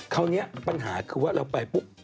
คราวนี้ปัญหาคือว่าเราไปปุ๊บ